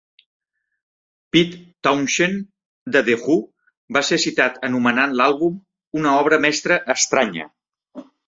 Pete Townshend de The Who va ser citat anomenant l'àlbum "una obra mestra estranya".